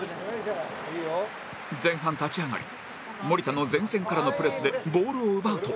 前半立ち上がり守田の前線からのプレスでボールを奪うと